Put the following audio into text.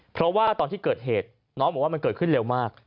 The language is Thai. เพราะว่าตอนที่เกิดเหตุน้องบอกว่ามันเกิดขึ้นเร็วมาก